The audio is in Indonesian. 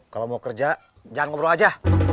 kalau mau kerja jangan ngobrol aja